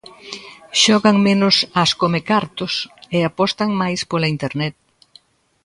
Xogan menos ás comecartos e apostan máis pola internet.